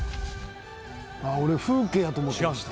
「俺風景やと思ってました」